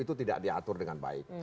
itu tidak diatur dengan baik